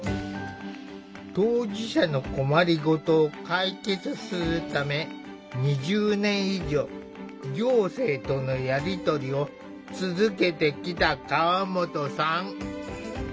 当事者の困り事を解決するため２０年以上行政とのやり取りを続けてきた河本さん。